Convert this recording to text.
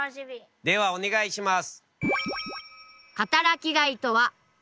ではお願いします。